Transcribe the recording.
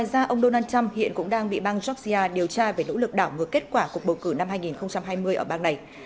do ông donald trump hiện cũng đang bị bang georgia điều tra về nỗ lực đảo ngược kết quả cuộc bầu cử năm hai nghìn hai mươi ở bang này